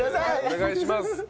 お願いします。